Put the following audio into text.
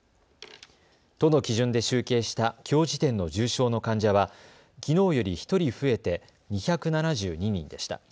都の基準で集計したきょう時点の重症の患者はきのうより１人増えて２７２人でした。